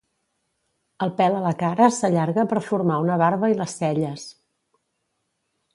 El pèl a la cara s'allarga per formar una barba i les celles.